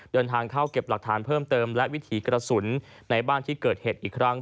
เดินทางเข้าเก็บหลักฐานเพิ่มเติมและวิถีกระสุนในบ้านที่เกิดเหตุอีกครั้ง